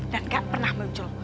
dan gak pernah muncul